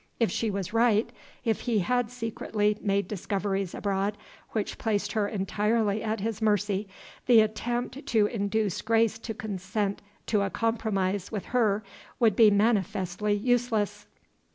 If she was right if he had secretly made discoveries abroad which placed her entirely at his mercy the attempt to induce Grace to consent to a compromise with her would be manifestly useless.